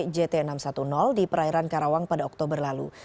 jt enam ratus sepuluh di perairan karawang pada oktober lalu